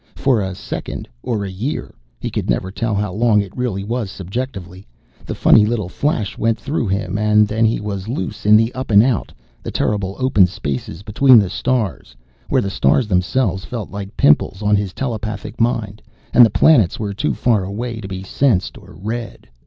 For a second or a year (he could never tell how long it really was, subjectively), the funny little flash went through him and then he was loose in the Up and Out, the terrible open spaces between the stars, where the stars themselves felt like pimples on his telepathic mind and the planets were too far away to be sensed or read.